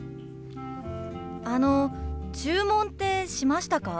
あの注文ってしましたか？